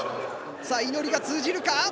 さぁ祈りが通じるか？